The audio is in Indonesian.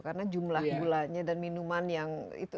karena jumlah gulanya dan minuman yang itu